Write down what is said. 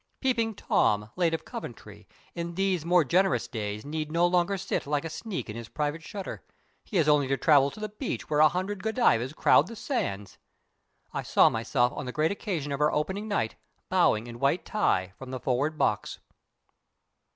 Peeping Tom, late of Coventry, in these more generous days need no longer sit like a sneak at his private shutter. He has only to travel to the beach where a hundred Godivas crowd the sands. I saw myself on the great occasion of our opening night bowing in white tie from the forward box.